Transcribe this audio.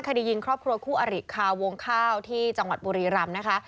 คดียิงครอบครัวคู่อริคาวงข้าวที่จังหวัดบุรีรำนะคะ